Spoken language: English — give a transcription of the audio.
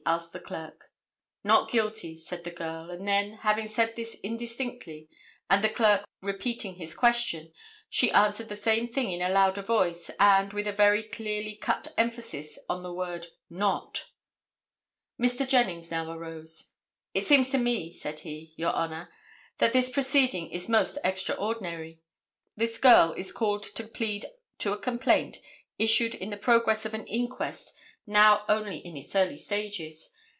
asked the Clerk. "Not guilty," said the girl, and then, having said this indistinctly and the clerk repeating his question, she answered the same thing in a louder voice and, with a very clearly cut emphasis on the word "Not." Mr. Jennings now arose. "It seems to me," said he, "your Honor, that this proceeding is most extraordinary. This girl is called to plead to a complaint issued in the progress of an inquest now only in its early stages.